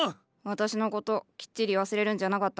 私のこときっちり忘れるんじゃなかったの？